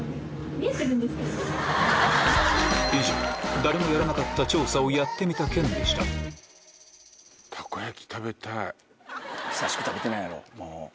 誰もやらなかった調査をやってみた件でした久しく食べてないやろもう。